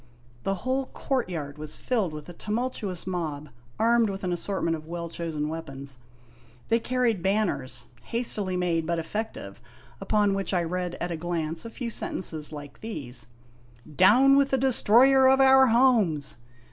The whole courtyard was filled with a tumultuous mob armed with an assortment of well chosen weapons. They carried banners, hastily made but effective, upon which I read at a glance a few sen tences like these :" Down with the Destroyer of our Homes